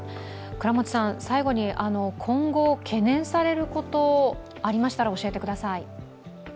最後に、今後、懸念されること、ありましたら教えてください。